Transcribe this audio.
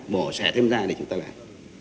bổ sẻ thêm ra để chúng ta làm